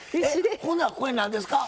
ほなこれ何ですか？